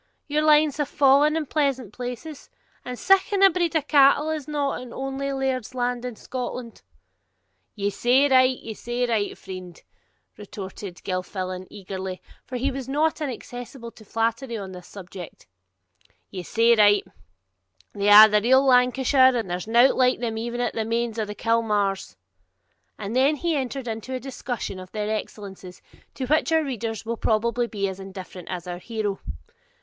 your lines have fallen in pleasant places! And siccan a breed o' cattle is not in ony laird's land in Scotland.' 'Ye say right, ye say right, friend' retorted Gilfillan eagerly, for he was not inaccessible to flattery upon this subject, 'ye say right; they are the real Lancashire, and there's no the like o' them even at the mains of Kilmaurs'; and he then entered into a discussion of their excellences, to which our readers will probably be as indifferent as our hero.